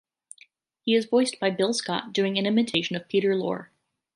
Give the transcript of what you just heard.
He is voiced by Bill Scott doing an imitation of Peter Lorre.